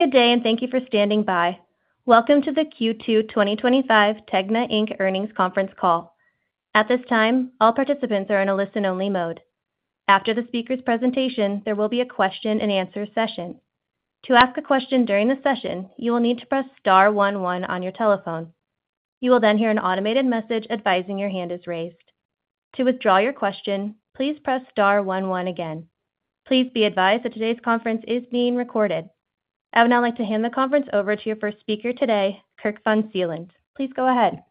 Good day and thank you for standing by. Welcome to the Q2 2025 TEGNA Inc. Earnings Conference Call. At this time, all participants are in a listen-only mode. After the speaker's presentation, there will be a question and answer session. To ask a question during the session, you will need to press star one one on your telephone. You will then hear an automated message advising your hand is raised. To withdraw your question, please press star one one again. Please be advised that today's conference is being recorded. I would now like to hand the conference over to your first speaker today, Kirk von Seelen. Please go ahead.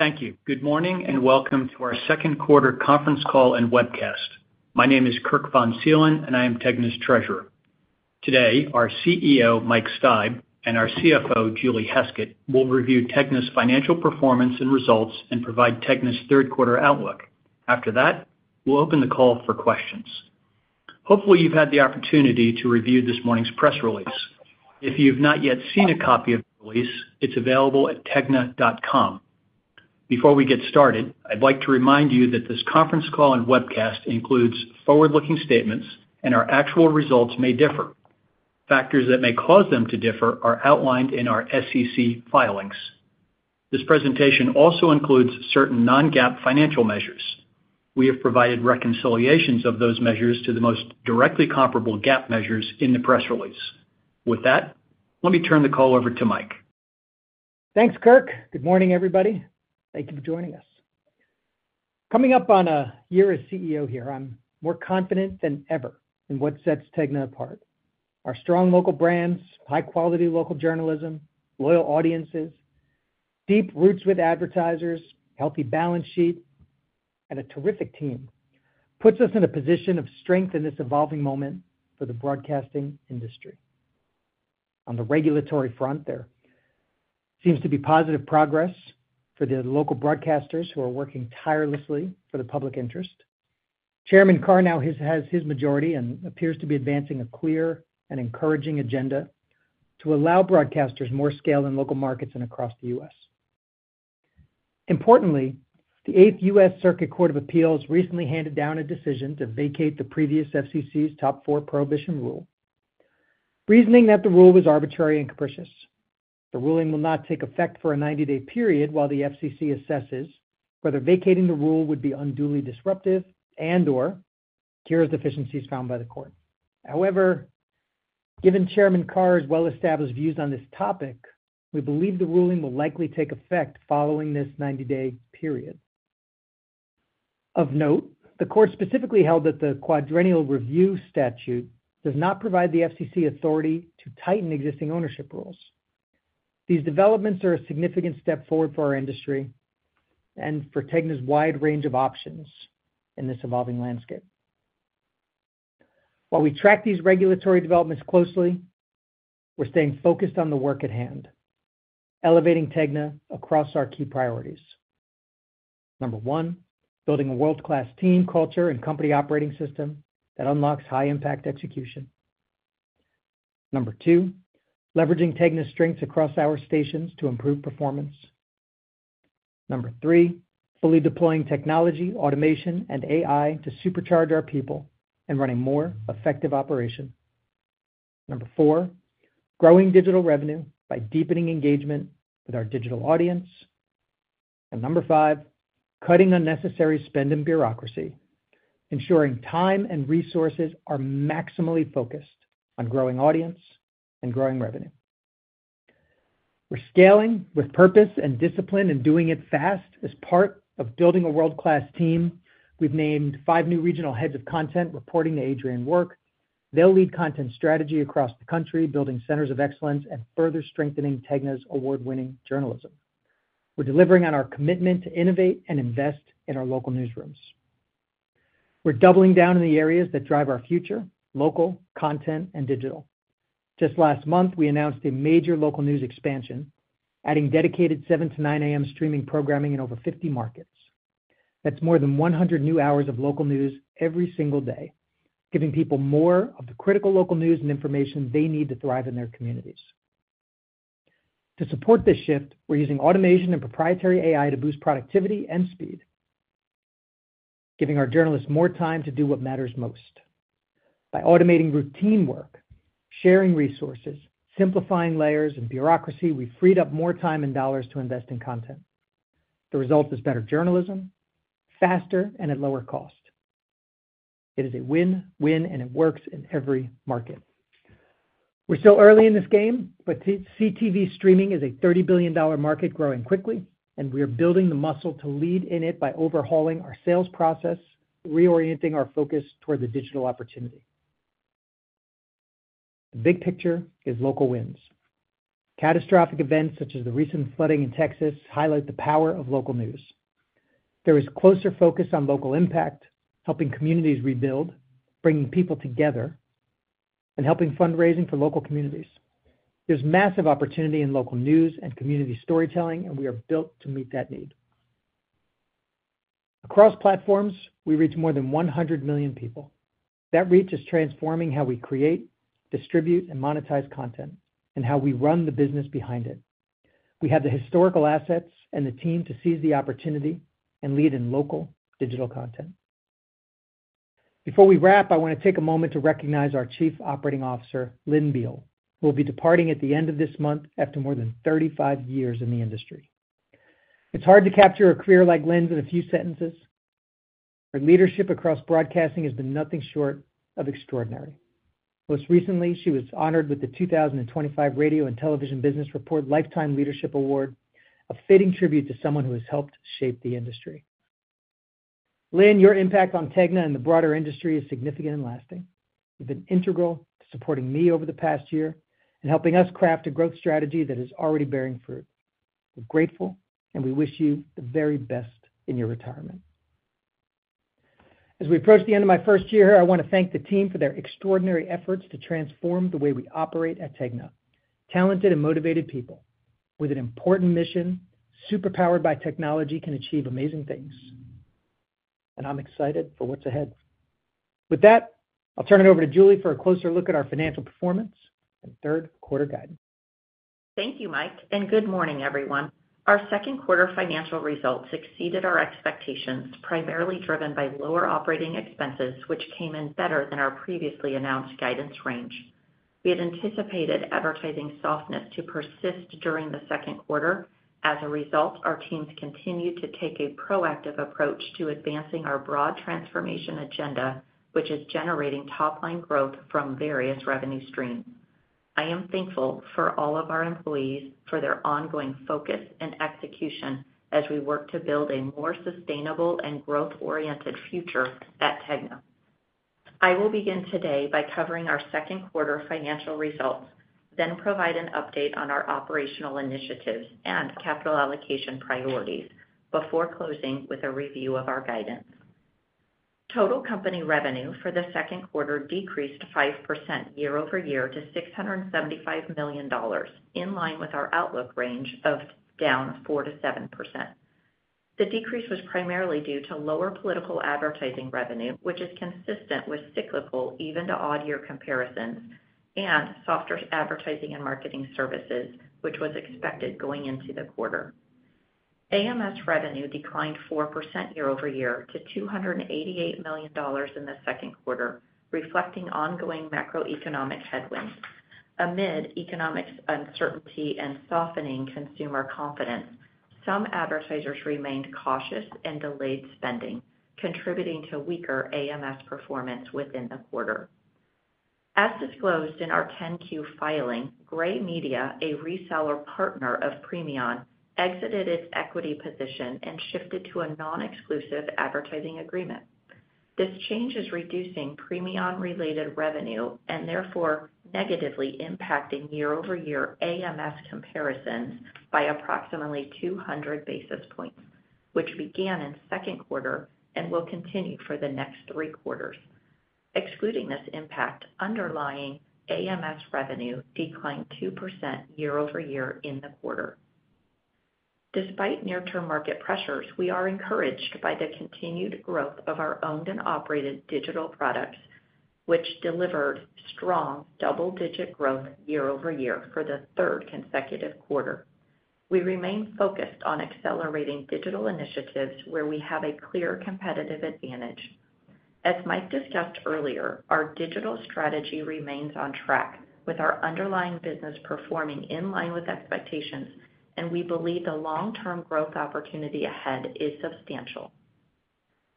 Thank you. Good morning and welcome to our Second Quarter Conference Call and Webcast. My name is Kirk von Seelen and I am TEGNA's Treasurer. Today, our CEO, Mike Steib, and our CFO, Julie Heskett, will review TEGNA's financial performance and results and provide TEGNA's third quarter outlook. After that, we'll open the call for questions. Hopefully, you've had the opportunity to review this morning's press release. If you have not yet seen a copy of the release, it's available at TEGNA.com. Before we get started, I'd like to remind you that this conference call and webcast includes forward-looking statements, and our actual results may differ. Factors that may cause them to differ are outlined in our SEC filings. This presentation also includes certain non-GAAP financial measures. We have provided reconciliations of those measures to the most directly comparable GAAP measures in the press release. With that, let me turn the call over to Mike. Thanks, Kirk. Good morning, everybody. Thank you for joining us. Coming up on a year as CEO here, I'm more confident than ever in what sets TEGNA apart. Our strong local brands, high-quality local journalism, loyal audiences, deep roots with advertisers, a healthy balance sheet, and a terrific team put us in a position of strength in this evolving moment for the broadcasting industry. On the regulatory front, there seems to be positive progress for the local broadcasters who are working tirelessly for the public interest. Chairman Carr now has his majority and appears to be advancing a clear and encouraging agenda to allow broadcasters more scale in local markets and across the U.S. Importantly, the 8th U.S. Circuit Court of Appeals recently handed down a decision to vacate the previous FCC's top four prohibition rule, reasoning that the rule was arbitrary and capricious. The ruling will not take effect for a 90-day period while the FCC assesses whether vacating the rule would be unduly disruptive and/or cures deficiencies found by the court. However, given Chairman Carr's well-established views on this topic, we believe the ruling will likely take effect following this 90-day period. Of note, the court specifically held that the quadrennial review statute does not provide the FCC authority to tighten existing ownership rules. These developments are a significant step forward for our industry and for TEGNA's wide range of options in this evolving landscape. While we track these regulatory developments closely, we're staying focused on the work at hand, elevating TEGNA across our key priorities. Number one, building a world-class team culture and company operating system that unlocks high-impact execution. Number two, leveraging TEGNA's strengths across our stations to improve performance. Number three, fully deploying technology, automation, and AI to supercharge our people and run a more effective operation. Number four, growing digital revenue by deepening engagement with our digital audience. Number five, cutting unnecessary spend and bureaucracy, ensuring time and resources are maximally focused on growing audience and growing revenue. We're scaling with purpose and discipline and doing it fast as part of building a world-class team. We've named five new regional heads of content reporting to Adrian Work. They'll lead content strategy across the country, building centers of excellence and further strengthening TEGNA's award-winning journalism. We're delivering on our commitment to innovate and invest in our local newsrooms. We're doubling down in the areas that drive our future: local, content, and digital. Just last month, we announced a major local news expansion, adding dedicated 7 A.M.-9 A.M. streaming programming in over 50 markets. That's more than 100 new hours of local news every single day, giving people more of the critical local news and information they need to thrive in their communities. To support this shift, we're using automation and proprietary AI to boost productivity and speed, giving our journalists more time to do what matters most. By automating routine work, sharing resources, simplifying layers and bureaucracy, we freed up more time and dollars to invest in content. The result is better journalism, faster, and at lower cost. It is a win-win and it works in every market. We're still early in this game, but CTV streaming is a $30 billion market growing quickly, and we are building the muscle to lead in it by overhauling our sales process, reorienting our focus toward the digital opportunity. The big picture is local wins. Catastrophic events such as the recent flooding in Texas highlight the power of local news. There is closer focus on local impact, helping communities rebuild, bringing people together, and helping fundraising for local communities. There's massive opportunity in local news and community storytelling, and we are built to meet that need. Across platforms, we reach more than 100 million people. That reach is transforming how we create, distribute, and monetize content, and how we run the business behind it. We have the historical assets and the team to seize the opportunity and lead in local digital content. Before we wrap, I want to take a moment to recognize our Chief Operating Officer, Lynn Beall, who will be departing at the end of this month after more than 35 years in the industry. It's hard to capture a career like Lynn's in a few sentences. Her leadership across broadcasting has been nothing short of extraordinary. Most recently, she was honored with the 2025 Radio and Television Business Report Lifetime Leadership Award, a fitting tribute to someone who has helped shape the industry. Lynn, your impact on TEGNA and the broader industry is significant and lasting. You've been integral to supporting me over the past year and helping us craft a growth strategy that is already bearing fruit. We're grateful, and we wish you the very best in your retirement. As we approach the end of my first year, I want to thank the team for their extraordinary efforts to transform the way we operate at TEGNA. Talented and motivated people with an important mission, superpowered by technology, can achieve amazing things. I'm excited for what's ahead. With that, I'll turn it over to Julie for a closer look at our financial performance and third quarter guidance. Thank you, Mike, and good morning, everyone. Our second quarter financial results exceeded our expectations, primarily driven by lower operating expenses, which came in better than our previously announced guidance range. We had anticipated advertising softness to persist during the second quarter. As a result, our teams continued to take a proactive approach to advancing our broad transformation agenda, which is generating top-line growth from various revenue streams. I am thankful for all of our employees for their ongoing focus and execution as we work to build a more sustainable and growth-oriented future at TEGNA. I will begin today by covering our second quarter financial results, then provide an update on our operational initiatives and capital allocation priorities before closing with a review of our guidance. Total company revenue for the second quarter decreased 5% year-over-year to $675 million, in line with our outlook range of down 4%-7%. The decrease was primarily due to lower political advertising revenue, which is consistent with cyclical, even to odd year comparisons, and softer advertising and marketing services, which was expected going into the quarter. AMS revenue declined 4% year-over-year to $288 million in the second quarter, reflecting ongoing macroeconomic headwinds. Amid economic uncertainty and softening consumer confidence, some advertisers remained cautious and delayed spending, contributing to weaker AMS performance within the quarter. As disclosed in our 10-Q filing, Gray Media, a reseller partner of Premion, exited its equity position and shifted to a non-exclusive advertising agreement. This change is reducing Premion-related revenue and therefore negatively impacting year-over-year AMS comparisons by approximately 200 basis points, which began in the second quarter and will continue for the next three quarters. Excluding this impact, underlying AMS revenue declined 2% year-over-year in the quarter. Despite near-term market pressures, we are encouraged by the continued growth of our owned and operated digital products, which delivered strong double-digit growth year-over-year for the third consecutive quarter. We remain focused on accelerating digital initiatives where we have a clear competitive advantage. As Mike discussed earlier, our digital strategy remains on track, with our underlying business performing in line with expectations, and we believe the long-term growth opportunity ahead is substantial.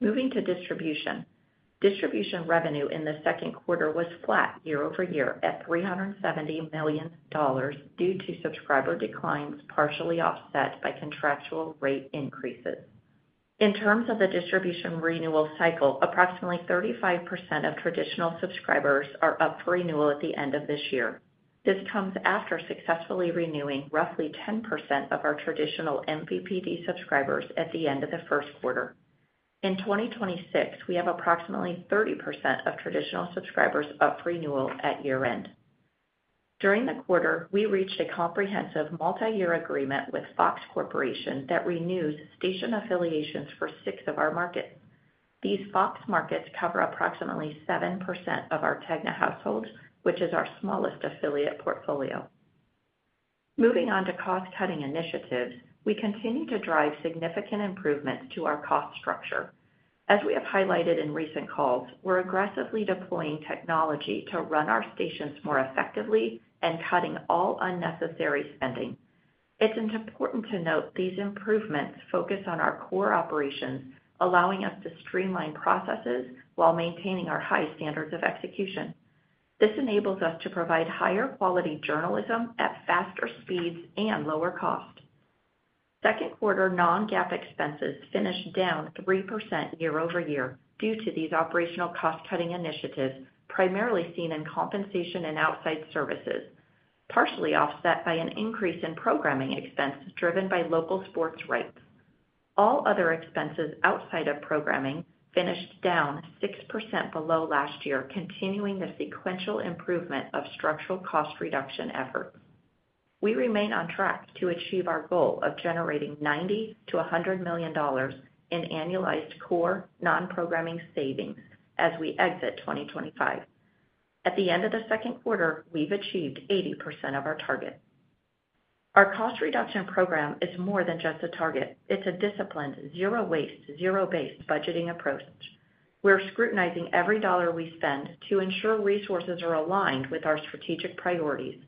Moving to distribution, distribution revenue in the second quarter was flat year-over-year at $370 million due to subscriber declines partially offset by contractual rate increases. In terms of the distribution renewal cycle, approximately 35% of traditional subscribers are up for renewal at the end of this year. This comes after successfully renewing roughly 10% of our traditional MVPD subscribers at the end of the first quarter. In 2026, we have approximately 30% of traditional subscribers up for renewal at year-end. During the quarter, we reached a comprehensive multi-year agreement with Fox Corporation that renews station affiliations for six of our markets. These Fox markets cover approximately 7% of our TEGNA households, which is our smallest affiliate portfolio. Moving on to cost-cutting initiatives, we continue to drive significant improvements to our cost structure. As we have highlighted in recent calls, we're aggressively deploying technology to run our stations more effectively and cutting all unnecessary spending. It's important to note these improvements focus on our core operations, allowing us to streamline processes while maintaining our high standards of execution. This enables us to provide higher quality journalism at faster speeds and lower cost. Second quarter non-GAAP expenses finished down 3% year-over-year due to these operational cost-cutting initiatives, primarily seen in compensation and outside services, partially offset by an increase in programming expense driven by local sports rights. All other expenses outside of programming finished down 6% below last year, continuing the sequential improvement of structural cost reduction efforts. We remain on track to achieve our goal of generating $90 million-$100 million in annualized core non-programming savings as we exit 2025. At the end of the second quarter, we've achieved 80% of our target. Our cost reduction program is more than just a target. It's a disciplined, zero-waste, zero-based budgeting approach. We're scrutinizing every dollar we spend to ensure resources are aligned with our strategic priorities.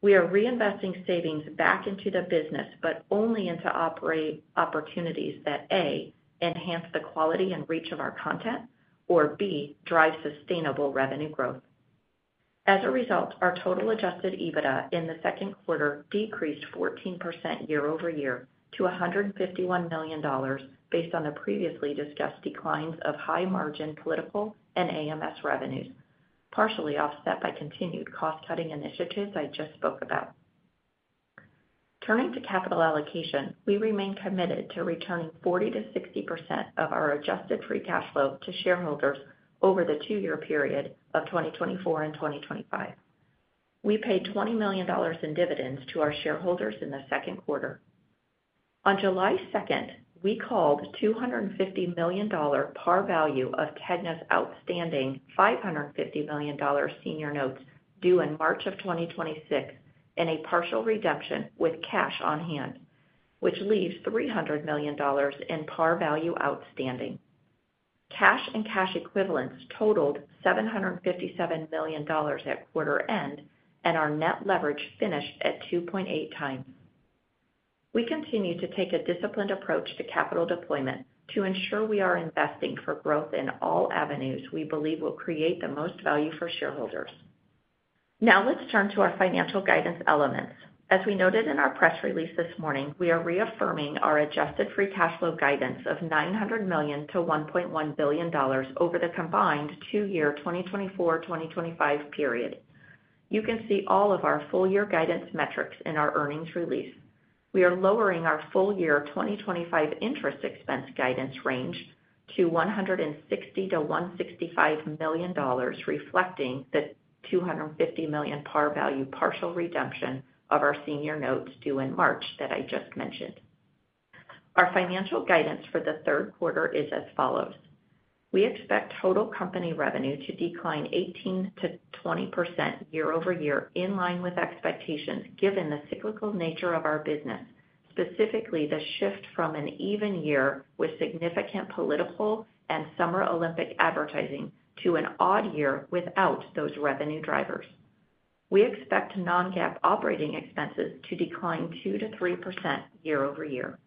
We are reinvesting savings back into the business, but only into operating opportunities that, A, enhance the quality and reach of our content, or B, drive sustainable revenue growth. As a result, our total adjusted EBITDA in the second quarter decreased 14% year-over-year to $151 million based on the previously discussed declines of high-margin political and AMS revenues, partially offset by continued cost-cutting initiatives I just spoke about. Turning to capital allocation, we remain committed to returning 40%-60% of our adjusted free cash flow to shareholders over the two-year period of 2024 and 2025. We paid $20 million in dividends to our shareholders in the second quarter. On July 2, we called $250 million par value of TEGNA's outstanding $550 million senior notes due in March of 2026 in a partial redemption with cash on hand, which leaves $300 million in par value outstanding. Cash and cash equivalents totaled $757 million at quarter end, and our net leverage finished at 2.8x. We continue to take a disciplined approach to capital deployment to ensure we are investing for growth in all avenues we believe will create the most value for shareholders. Now let's turn to our financial guidance elements. As we noted in our press release this morning, we are reaffirming our adjusted free cash flow guidance of $900 million-$1.1 billion over the combined two-year 2024-2025 period. You can see all of our full-year guidance metrics in our earnings release. We are lowering our full-year 2025 interest expense guidance range to $160 million-$165 million, reflecting the $250 million par value partial redemption of our senior notes due in March that I just mentioned. Our financial guidance for the third quarter is as follows. We expect total company revenue to decline 18%-20% year-over-year, in line with expectations, given the cyclical nature of our business, specifically the shift from an even year with significant political and Summer Olympic advertising to an odd year without those revenue drivers. We expect non-GAAP operating expenses to decline 2%-3% year-over-year.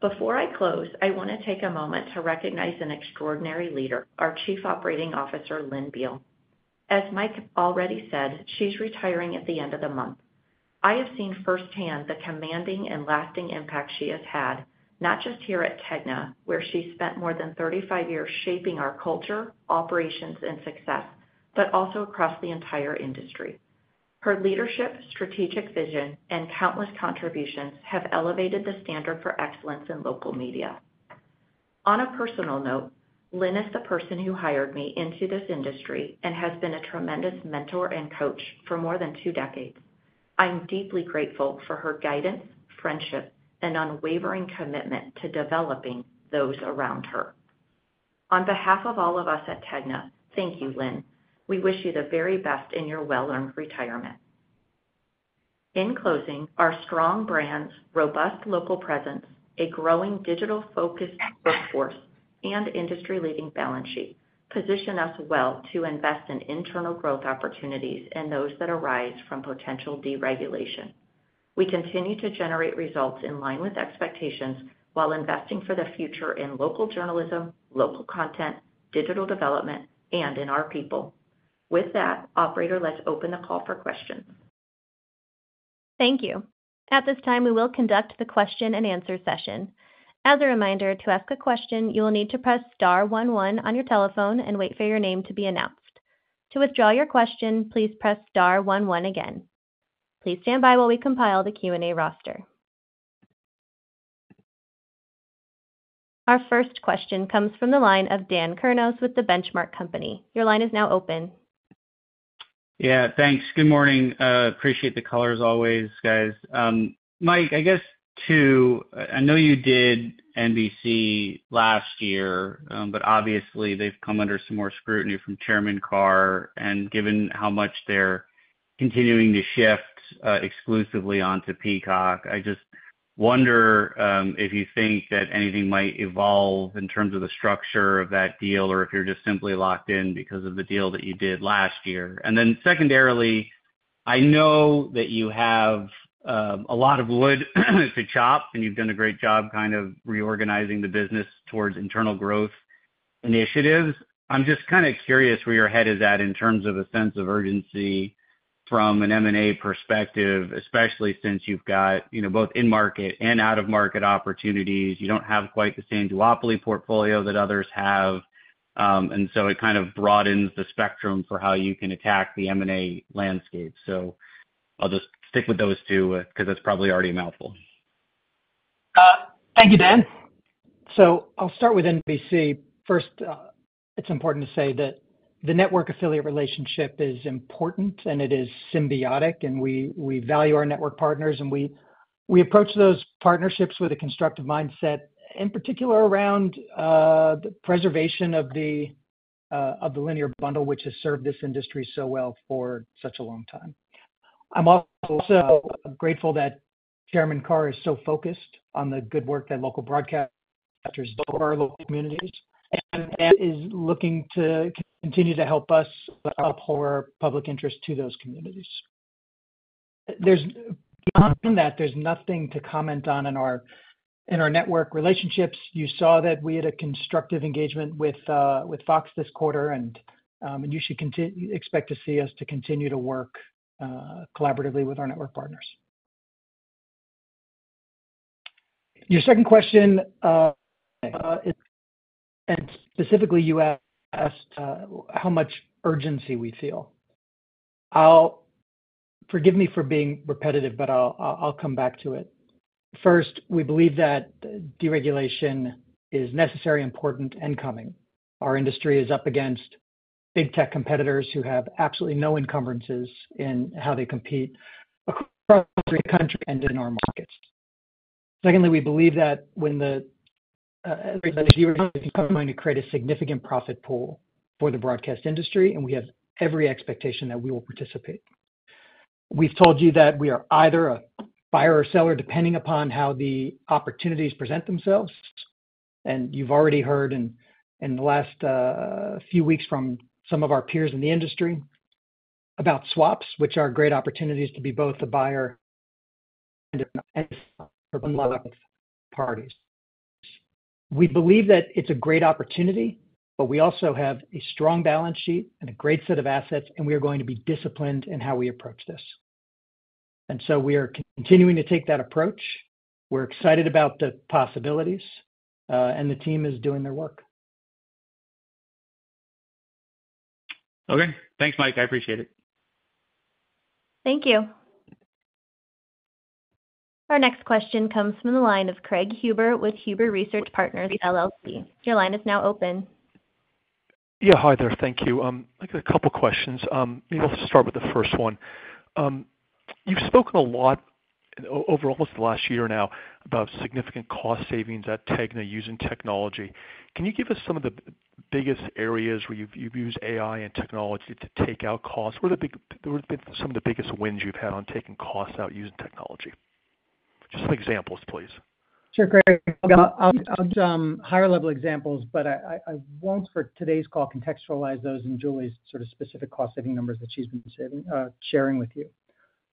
Before I close, I want to take a moment to recognize an extraordinary leader, our Chief Operating Officer, Lynn Beall. As Mike already said, she's retiring at the end of the month. I have seen firsthand the commanding and lasting impact she has had, not just here at TEGNA, where she spent more than 35 years shaping our culture, operations, and success, but also across the entire industry. Her leadership, strategic vision, and countless contributions have elevated the standard for excellence in local media. On a personal note, Lynn is the person who hired me into this industry and has been a tremendous mentor and coach for more than two decades. I'm deeply grateful for her guidance, friendship, and unwavering commitment to developing those around her. On behalf of all of us at TEGNA, thank you, Lynn. We wish you the very best in your well-earned retirement. In closing, our strong brand's robust local presence, a growing digital-focused workforce, and industry-leading balance sheet position us well to invest in internal growth opportunities and those that arise from potential deregulation. We continue to generate results in line with expectations while investing for the future in local journalism, local content, digital development, and in our people. With that, operator, let's open the call for questions. Thank you. At this time, we will conduct the question-and-answer session. As a reminder, to ask a question, you will need to press star one one on your telephone and wait for your name to be announced. To withdraw your question, please press star one one again. Please stand by while we compile the Q&A roster. Our first question comes from the line of Daniel Kurnos with The Benchmark Company. Your line is now open. Yeah, thanks. Good morning. Appreciate the callers always, guys. Mike, I guess too, I know you did NBC last year, but obviously they've come under some more scrutiny from Chairman Carr, and given how much they're continuing to shift exclusively onto Peacock, I just wonder if you think that anything might evolve in terms of the structure of that deal or if you're just simply locked in because of the deal that you did last year. Secondarily, I know that you have a lot of wood to chop, and you've done a great job kind of reorganizing the business towards internal growth initiatives. I'm just kind of curious where your head is at in terms of a sense of urgency from an M&A perspective, especially since you've got, you know, both in-market and out-of-market opportunities. You don't have quite the same duopoly portfolio that others have. It kind of broadens the spectrum for how you can attack the M&A landscape. I'll just stick with those two because it's probably already a mouthful. Thank you, Dan. I'll start with NBC. First, it's important to say that the network affiliate relationship is important and it is symbiotic, and we value our network partners, and we approach those partnerships with a constructive mindset, in particular around the preservation of the linear bundle, which has served this industry so well for such a long time. I'm also grateful that Chairman Carr is so focused on the good work that local broadcasters do for our local communities and is looking to continue to help us outpower public interest to those communities. There's nothing to comment on in our network relationships. You saw that we had a constructive engagement with Fox this quarter, and you should expect to see us continue to work collaboratively with our network partners. Your second question, and specifically you asked how much urgency we feel. Forgive me for being repetitive, but I'll come back to it. First, we believe that deregulation is necessary, important, and coming. Our industry is up against big tech competitors who have absolutely no encumbrances in how they compete across the country and in our markets. We believe that when the deregulation is coming, it will create a significant profit pool for the broadcast industry, and we have every expectation that we will participate. We've told you that we are either a buyer or seller, depending upon how the opportunities present themselves. You've already heard in the last few weeks from some of our peers in the industry about swaps, which are great opportunities to be both the buyer and the buyer's parties. We believe that it's a great opportunity, but we also have a strong balance sheet and a great set of assets, and we are going to be disciplined in how we approach this. We are continuing to take that approach. We're excited about the possibilities, and the team is doing their work. Okay, thanks, Mike. I appreciate it. Thank you. Our next question comes from the line of Craig Huber with Huber Research Partners, LLC. Your line is now open. Thank you. I've got a couple of questions. Maybe I'll start with the first one. You've spoken a lot over almost the last year now about significant cost savings at TEGNA using technology. Can you give us some of the biggest areas where you've used AI and technology to take out costs? What are some of the biggest wins you've had on taking costs out using technology? Just some examples, please. Sure, Craig. I'll give higher-level examples, but I won't, for today's call, contextualize those in Julie's sort of specific cost-saving numbers that she's been sharing with you.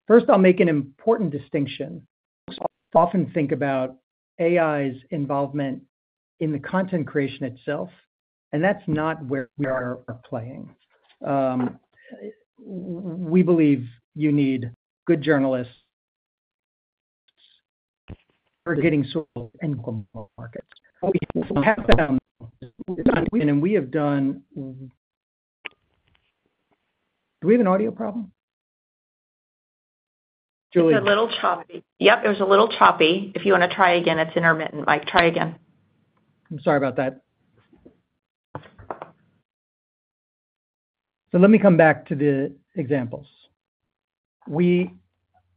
First, I'll make an important distinction. I often think about AI's involvement in the content creation itself, and that's not where we are playing. We believe you need good journalists who are getting sold in local markets. We have done, and we have done. Do we have an audio problem? It's a little choppy. Yep, it was a little choppy. If you want to try again, it's intermittent. Mike, try again. I'm sorry about that. Let me come back to the examples. We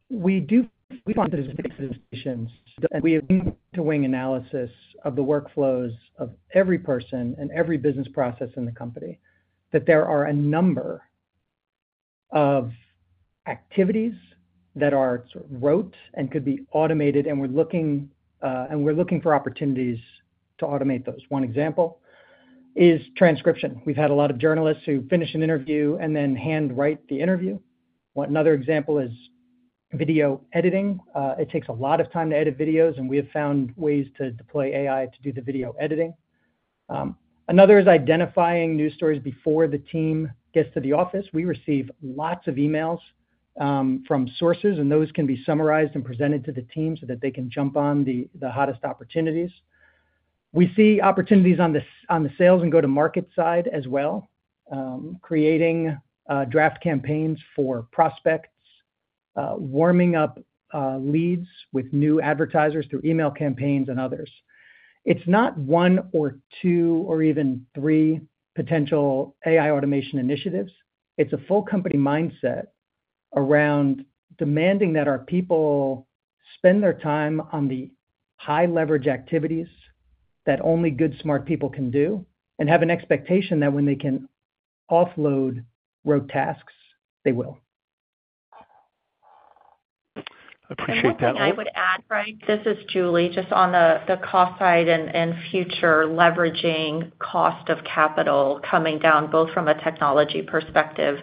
want to do fixed decisions, and we have a wing-to-wing analysis of the workflows of every person and every business process in the company. There are a number of activities that are sort of rote and could be automated, and we're looking for opportunities to automate those. One example is transcription. We've had a lot of journalists who finish an interview and then handwrite the interview. Another example is video editing. It takes a lot of time to edit videos, and we have found ways to deploy AI to do the video editing. Another is identifying news stories before the team gets to the office. We receive lots of emails from sources, and those can be summarized and presented to the team so that they can jump on the hottest opportunities. We see opportunities on the sales and go-to-market side as well, creating draft campaigns for prospects, warming up leads with new advertisers through email campaigns, and others. It's not one or two or even three potential AI automation initiatives. It's a full company mindset around demanding that our people spend their time on the high-leverage activities that only good, smart people can do and have an expectation that when they can offload rote tasks, they will. I appreciate that. I would add, right, this is Julie, just on the cost side and future leveraging cost of capital coming down both from a technology perspective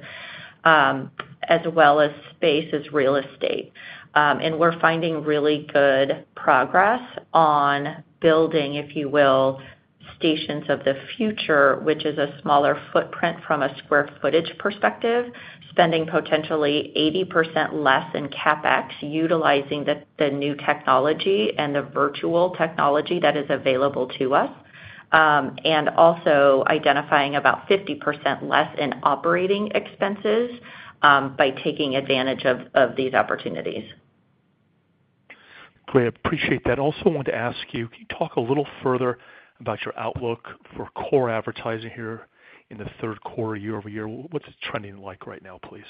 as well as space as real estate. We're finding really good progress on building, if you will, stations of the future, which is a smaller footprint from a square footage perspective, spending potentially 80% less in CapEx utilizing the new technology and the virtual technology that is available to us, and also identifying about 50% less in operating expenses by taking advantage of these opportunities. Great. I appreciate that. I also wanted to ask you, can you talk a little further about your outlook for core advertising here in the third quarter, year-over-year? What's the trending like right now, please?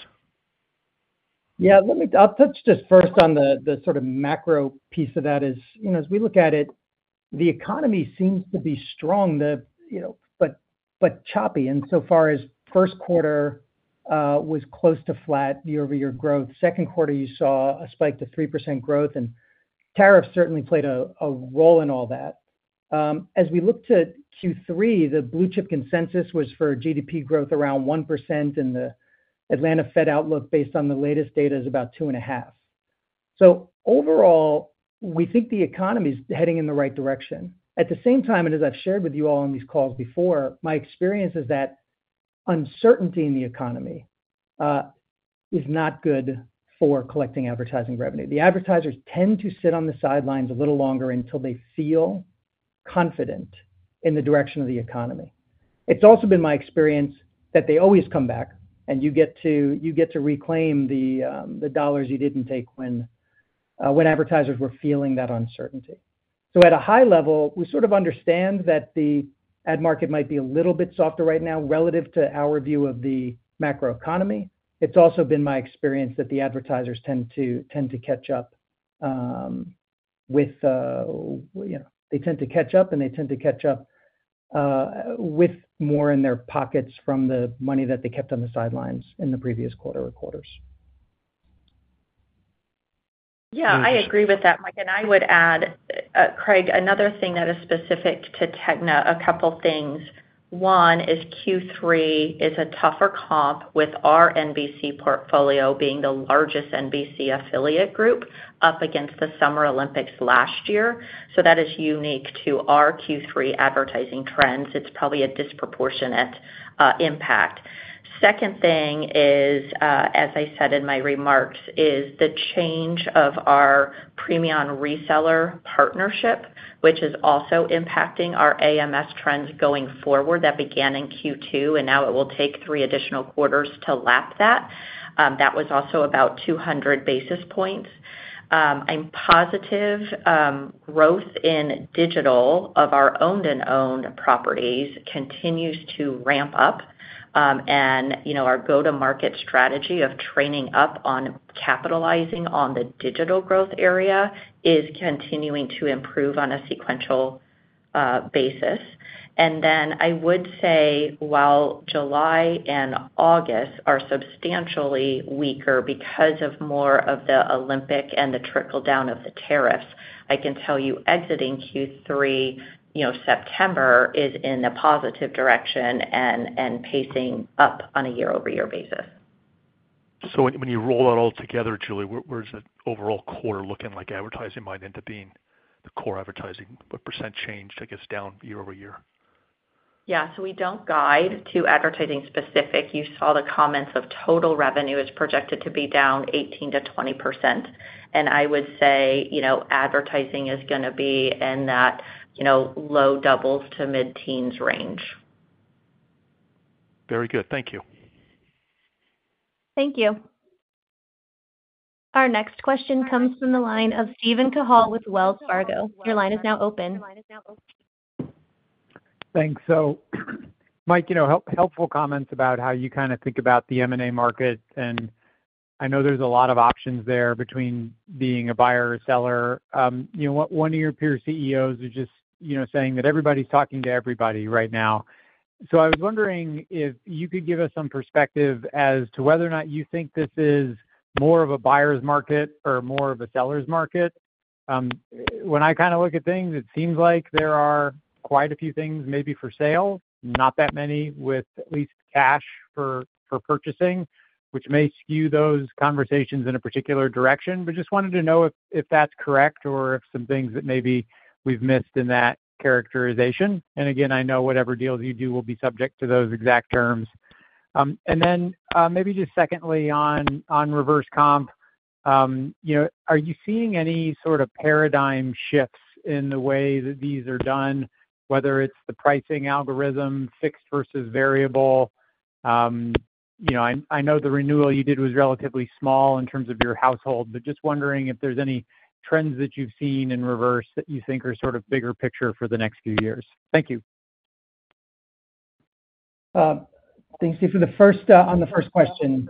Yeah, I'll touch just first on the sort of macro piece of that. As we look at it, the economy seems to be strong, but choppy insofar as first quarter was close to flat year-over-year growth. Second quarter, you saw a spike to 3% growth, and tariffs certainly played a role in all that. As we look to Q3, the blue chip consensus was for GDP growth around 1%, and the Atlanta Fed outlook based on the latest data is about 2.5%. Overall, we think the economy is heading in the right direction. At the same time, as I've shared with you all on these calls before, my experience is that uncertainty in the economy is not good for collecting advertising revenue. The advertisers tend to sit on the sidelines a little longer until they feel confident in the direction of the economy. It's also been my experience that they always come back, and you get to reclaim the dollars you didn't take when advertisers were feeling that uncertainty. At a high level, we sort of understand that the ad market might be a little bit softer right now relative to our view of the macroeconomy. It's also been my experience that the advertisers tend to catch up with, you know, they tend to catch up, and they tend to catch up with more in their pockets from the money that they kept on the sidelines in the previous quarter or quarters. Yeah, I agree with that, Mike. I would add, Craig, another thing that is specific to TEGNA, a couple of things. One is Q3 is a tougher comp with our NBC portfolio being the largest NBC affiliate group up against the Summer Olympics last year. That is unique to our Q3 advertising trends. It's probably a disproportionate impact. The second thing is, as I said in my remarks, the change of our Premion reseller partnership, which is also impacting our AMS trends going forward that began in Q2, and now it will take three additional quarters to lap that. That was also about 200 basis points. I'm positive growth in digital of our owned and operated properties continues to ramp up, and our go-to-market strategy of training up on capitalizing on the digital growth area is continuing to improve on a sequential basis. I would say while July and August are substantially weaker because of more of the Olympic and the trickle-down of the tariffs, I can tell you exiting Q3, September is in a positive direction and pacing up on a year-over-year basis. When you roll that all together, Julie, what is the overall core looking like advertising might end up being? The core advertising percent changed, I guess, down year-over-year? Yeah, we don't guide to advertising specific. You saw the comments of total revenue is projected to be down 18%-20%. I would say, you know, advertising is going to be in that low doubles to mid-teens range. Very good. Thank you. Thank you. Our next question comes from the line of Steven Cahall with Wells Fargo. Your line is now open. Thanks. Mike, helpful comments about how you kind of think about the M&A market, and I know there's a lot of options there between being a buyer or seller. One of your peer CEOs is just saying that everybody's talking to everybody right now. I was wondering if you could give us some perspective as to whether or not you think this is more of a buyer's market or more of a seller's market. When I kind of look at things, it seems like there are quite a few things maybe for sale, not that many with at least cash for purchasing, which may skew those conversations in a particular direction. I just wanted to know if that's correct or if some things that maybe we've missed in that characterization. I know whatever deals you do will be subject to those exact terms. Secondly, on reverse comp, are you seeing any sort of paradigm shifts in the way that these are done, whether it's the pricing algorithm, fixed versus variable? I know the renewal you did was relatively small in terms of your household, but just wondering if there's any trends that you've seen in reverse that you think are sort of bigger picture for the next few years. Thank you. Thanks, Steve. For the first question,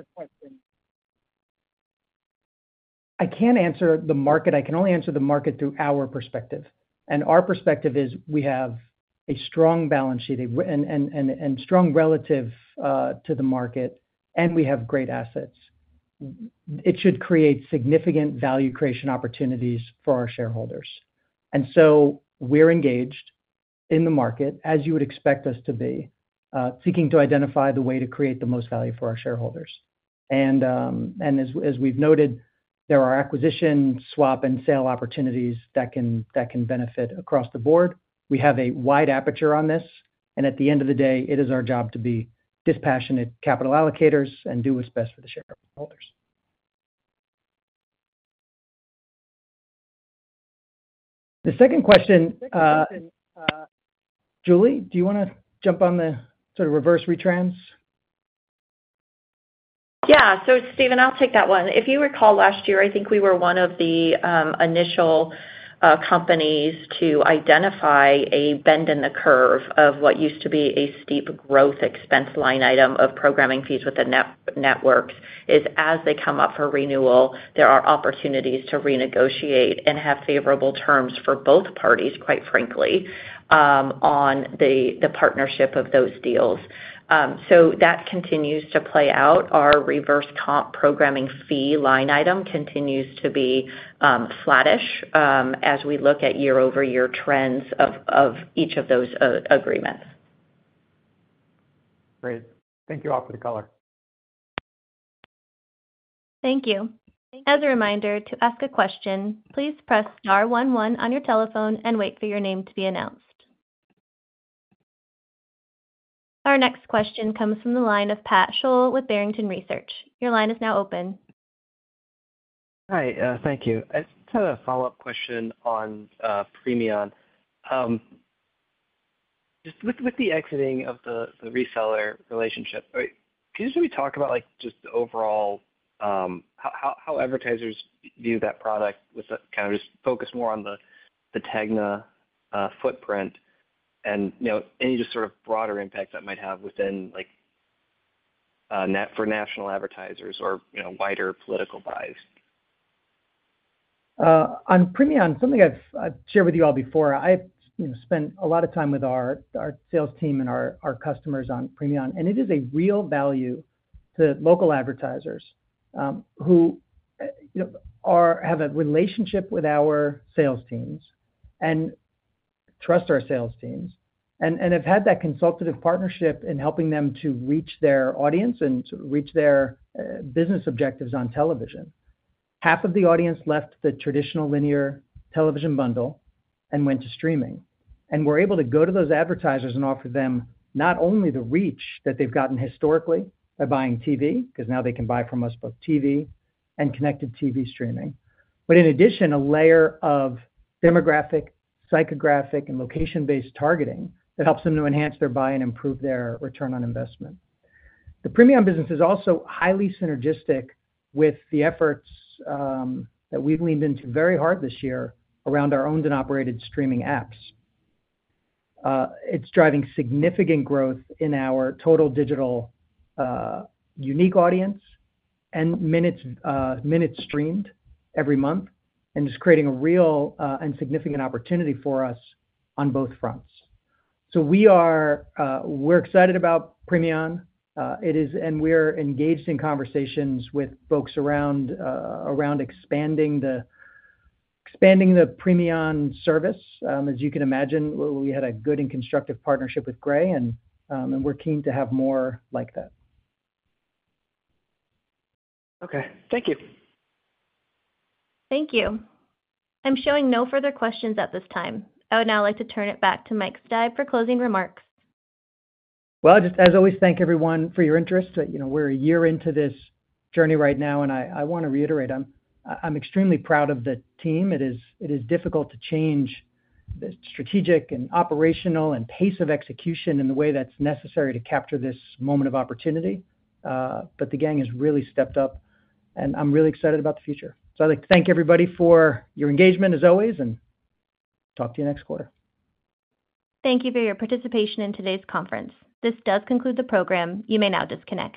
I can't answer the market. I can only answer the market through our perspective. Our perspective is we have a strong balance sheet and strong relative to the market, and we have great assets. It should create significant value creation opportunities for our shareholders. We are engaged in the market, as you would expect us to be, seeking to identify the way to create the most value for our shareholders. As we've noted, there are acquisition, swap, and sale opportunities that can benefit across the board. We have a wide aperture on this. At the end of the day, it is our job to be dispassionate capital allocators and do what's best for the shareholders. The second question, Julie, do you want to jump on the sort of reverse retrans? Yeah, Steven, I'll take that one. If you recall last year, I think we were one of the initial companies to identify a bend in the curve of what used to be a steep growth expense line item of programming fees with the networks. As they come up for renewal, there are opportunities to renegotiate and have favorable terms for both parties, quite frankly, on the partnership of those deals. That continues to play out. Our reverse comp programming fee line item continues to be flattish as we look at year-over-year trends of each of those agreements. Great. Thank you all for the color. Thank you. As a reminder, to ask a question, please press star one one on your telephone and wait for your name to be announced. Our next question comes from the line of Pat Scholl with Barrington Research. Your line is now open. Hi, thank you. I just have a follow-up question on Premion. With the exiting of the reseller relationship, could you just maybe talk about just the overall how advertisers view that product with kind of just focus more on the TEGNA footprint, and any just sort of broader impact that might have within for national advertisers or wider political buys. On Premion, something I've shared with you all before, I've spent a lot of time with our sales team and our customers on Premion, and it is a real value to local advertisers who have a relationship with our sales teams and trust our sales teams and have had that consultative partnership in helping them to reach their audience and reach their business objectives on television. Half of the audience left the traditional linear television bundle and went to streaming and were able to go to those advertisers and offer them not only the reach that they've gotten historically by buying TV, because now they can buy from us both TV and connected TV streaming, but in addition, a layer of demographic, psychographic, and location-based targeting that helps them to enhance their buy and improve their return on investment. The Premion business is also highly synergistic with the efforts that we've leaned into very hard this year around our owned and operated streaming apps. It's driving significant growth in our total digital unique audience and minutes streamed every month and is creating a real and significant opportunity for us on both fronts. We are excited about Premion, and we're engaged in conversations with folks around expanding the Premion service. As you can imagine, we had a good and constructive partnership with Gray, and we're keen to have more like that. Okay, thank you. Thank you. I'm showing no further questions at this time. I would now like to turn it back to Mike Steib for closing remarks. Thank everyone for your interest. You know, we're a year into this journey right now, and I want to reiterate I'm extremely proud of the team. It is difficult to change the strategic and operational and pace of execution in the way that's necessary to capture this moment of opportunity, but the gang has really stepped up, and I'm really excited about the future. I'd like to thank everybody for your engagement as always, and talk to you next quarter. Thank you for your participation in today's conference. This does conclude the program. You may now disconnect.